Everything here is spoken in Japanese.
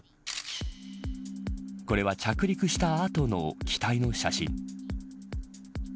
これは着陸した後の機体の写真。